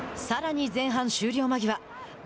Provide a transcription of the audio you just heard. さらに、前半終了間際。